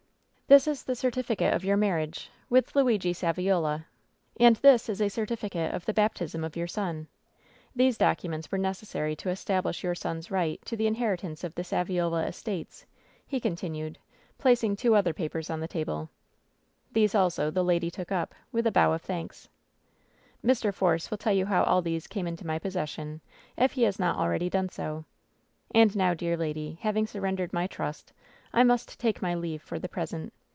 "This is the certificate of your marriage with Luigi Saviola, and this a certificate of the baptism of your son. These documents were necessary to establish your son's WHEN SHADOWS DIE 277 right to the inheritance of the Saviola estates," he con tinued, placing two other papers on the table. These also the lady took up, with a bow of thanks. "Mr. Force will tell you how all these came into ray possession, if he has not already done so. And now, dear lady, having surrendered my trust, I must take my leave for the present.